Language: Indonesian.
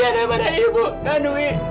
daripada ibu kan